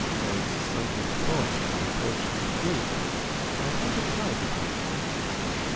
As, sunk in thought, I approached the gate I heard a cry behind me.